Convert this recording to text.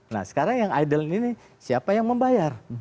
nah sekarang yang idol ini siapa yang membayar